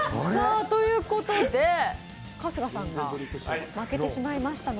ということで、春日さんが負けてしまいましたので。